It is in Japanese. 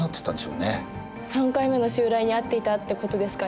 ３回目の襲来に遭っていたってことですかね。